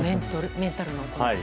メンタルの面で。